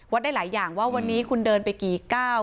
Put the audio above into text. ได้หลายอย่างว่าวันนี้คุณเดินไปกี่ก้าว